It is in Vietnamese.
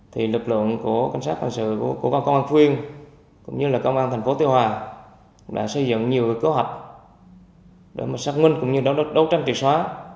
thì lực lượng của cảnh sát cảnh sự của con công an khuyên cũng như là công an tp tây hoa đã xây dựng nhiều cơ họp để sát minh cũng như đấu tranh triệu sốa